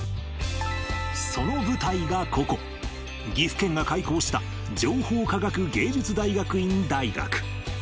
その舞台がここ、岐阜県が開校した情報科学芸術大学院大学。